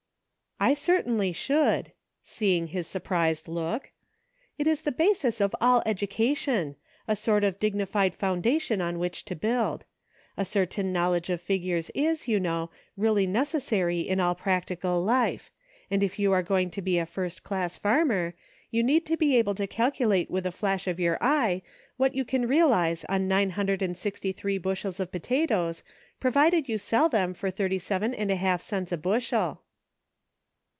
" I certainly should," seeing his surprised look. " It is the basis of all education ; a sort of dig nified foundation on which to build. A certain knowledge of figures is, you know, really neces sary in all practical life ; and if you are going to be a first class farmer, you need to be able to cal culate with a flash of your eye what you can real ize on nine hundred and sixty three bushels of potatoes provided you sell them for thirty seven and a half cents a bushel."